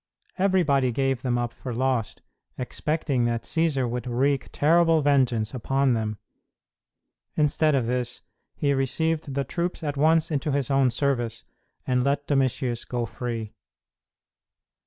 Everybody gave them up for lost, expecting that Cćsar would wreak terrible vengeance upon them. Instead of this, he received the troops at once into his own service and let Domitius go free.